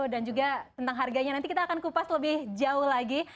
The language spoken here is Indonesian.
dan juga tentang harganya nanti kita akan kupas lebih jauh lagi